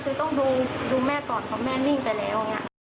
คือต้องดูแม่ก่อนเพราะแม่นิ่งไปแล้วอย่างนี้